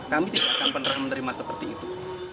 kami tidak akan benar benar menerima seperti itu